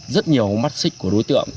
rất nhiều mắt xích của đối tượng